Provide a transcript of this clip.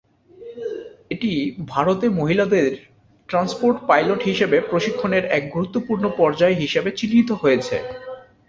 এটি ভারতে মহিলাদের ট্রান্সপোর্ট পাইলট হিসাবে প্রশিক্ষণের এক গুরুত্বপূর্ণ পর্যায় হিসেবে চিহ্নিত হয়েছে।